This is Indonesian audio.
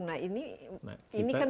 nah ini kan